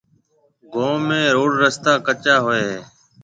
گوم ۾ روڊ رستا ڪَچا هوئي هيَ۔